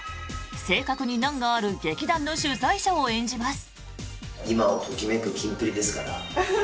性格に難がある劇団の主宰者を演じます。